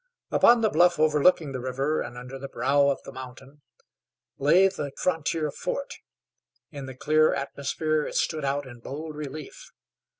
Upon the bluff overlooking the river, and under the brow of the mountain, lay the frontier fort. In the clear atmosphere it stood out in bold relief.